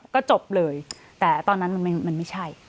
ก็จบเลยแต่ตอนนั้นมันไม่ใช่